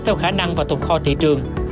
theo khả năng và tụng kho thị trường